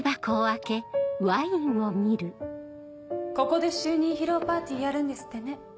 ここで就任披露パーティーやるんですってね。